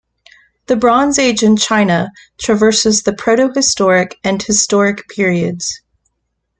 The Bronze Age in China traverses the protohistoric and historic periods.